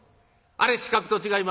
あれ刺客と違いますか？」。